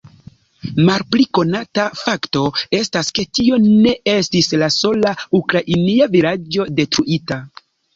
Malpli konata fakto estas, ke tio ne estis la sola ukrainia vilaĝo detruita.